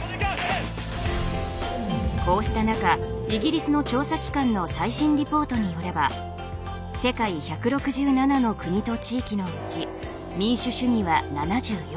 こうした中イギリスの調査機関の最新リポートによれば世界１６７の国と地域のうち民主主義は７４。